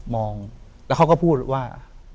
มองแล้วเขาก็พูดว่า